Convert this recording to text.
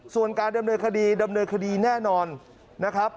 ส่วนการดำเนินคดีดำเนินคดีแน่นอนนะครับ